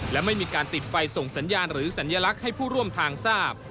และไม่มีการติดไฟส่งสัญญาณหรือสัญลักษณ์ให้ผู้ร่วมทางทราบ